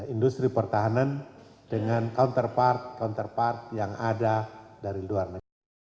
industri pertahanan dengan counterpart counterpart yang ada dari luar negeri